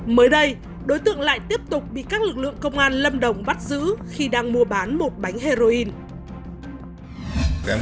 mới đây đối tượng lại tiếp tục bị các lực lượng công an lâm đồng bắt giữ khi đang mua bán một bánh heroin